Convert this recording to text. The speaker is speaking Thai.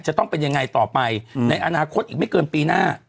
จะต้องเป็นยังไงต่อไปในอนาคตอีกไม่เกินปีหน้า